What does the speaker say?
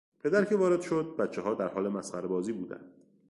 پدر که وارد شد بچهها در حال مسخره بازی بودند.